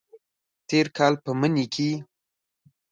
تیر کال په مني کې